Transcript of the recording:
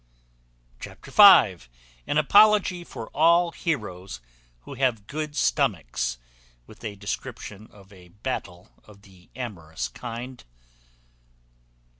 Chapter v. An apology for all heroes who have good stomachs, with a description of a battle of the amorous kind.